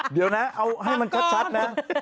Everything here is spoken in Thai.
เดี๋ยวนะให้มันคัดชัดนะ